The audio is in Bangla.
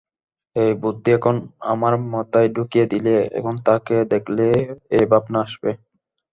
এই বুদ্ধি এখন আমার মাথায় ঢুকিয়ে দিলে, এখন তাকে দেখলেই এই ভাবনা আসবে।